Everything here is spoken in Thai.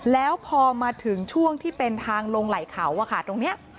แล้วพอมาถึงช่วงที่เป็นทางลงไหลเขาตรงนี้